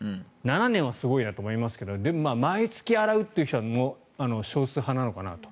７年はすごいなと思いますがでも、毎月洗うという方は少数派なのかなと。